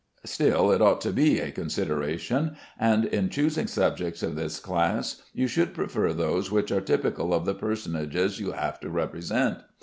Still it ought to be a consideration, and in choosing subjects of this class you should prefer those which are typical of the personages you have to represent.